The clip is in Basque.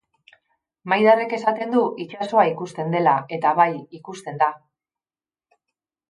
Maiderrek esaten du itsasoa ikusten dela, eta bai, ikusten da.